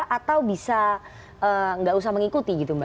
atau bisa nggak usah mengikuti gitu mbak